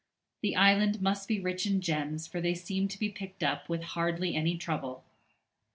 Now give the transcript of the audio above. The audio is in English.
The island must be rich in gems, for they seem to be picked up with hardly any trouble.